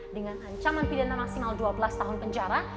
dengan ancaman pidana maksimal dua belas tahun penjara